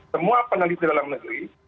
semua peneliti dalam negeri